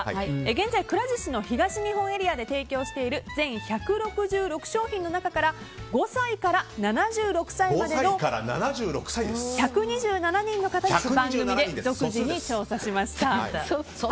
現在、くら寿司の東日本エリアで提供している全１６６商品の中から５歳から７６歳までの１２７人の方に、番組で独自に調査しました。